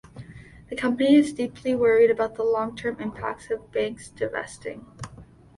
The company is deeply worried about the long-term impacts of banks divesting.